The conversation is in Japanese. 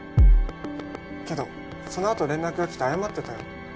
けどそのあと連絡が来て謝ってたよ。